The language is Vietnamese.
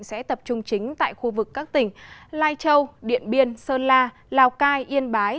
sẽ tập trung chính tại khu vực các tỉnh lai châu điện biên sơn la lào cai yên bái